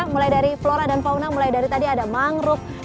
mulai dari flora dan fauna mulai dari tadi ada mangrove